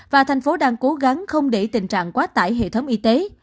và thành phố đang cố gắng không để tình trạng quá tải hệ thống y tế